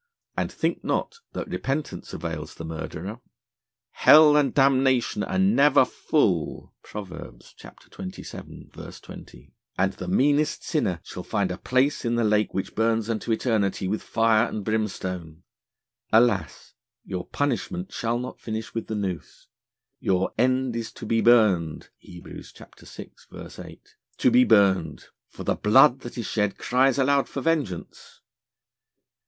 And think not that Repentance avails the Murderer. "Hell and Damnation are never full" (Prov. xxvii. 20), and the meanest Sinner shall find a place in the Lake which burns unto Eternity with Fire and Brimstone. Alas! your Punishment shall not finish with the Noose. Your "end is to be burned" (Heb. vi. 8), to be burned, for the Blood that is shed cries aloud for Vengeance.'